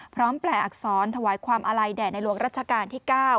แปลอักษรถวายความอาลัยแด่ในหลวงรัชกาลที่๙